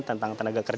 tentang tenaga kerja